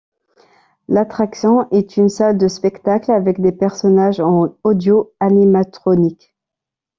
L'attraction est une salle de spectacle avec des personnages en audio-animatronics.